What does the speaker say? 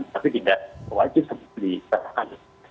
tapi tidak wajib dikatakan